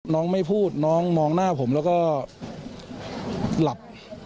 น้องไม่พูดน้องมองหน้าผมแล้วก็หลับ